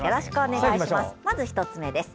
まず１つ目です。